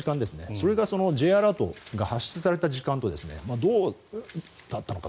それがＪアラートが発出された時間とどうだったのか。